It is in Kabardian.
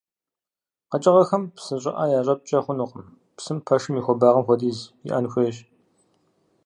Къэкӏыгъэхэм псы щӏыӏэ ящӏэпкӏэ хъунукъым, псым пэшым и хуэбагъым хуэдиз иӏэн хуейщ.